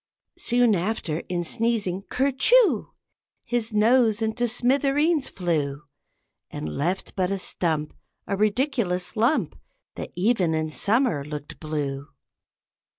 Soon after, in sneezing, "ker choo," His nose into smithereens flew, And left but a stump, A ridiculous lump, That even in summer looked blue.